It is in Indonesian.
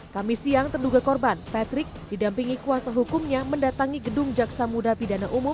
kami siang terduga korban patrick didampingi kuasa hukumnya mendatangi gedung jaksa muda pidana umum